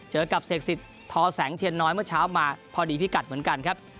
เจอกับเสกสิทธิ์ทอแสงเทียนน้อยเมื่อเช้ามาพอดีพิกัดเหมือนกันครับ